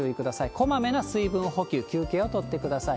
こまめな水分補給、休憩を取ってください。